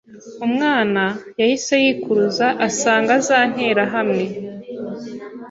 ’Umwana yahise yikuruza asanga za nterahamwe